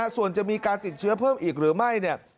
ส่วนจะมีการติดเชื้อเพิ่มอีกหรือไม่เนี่ย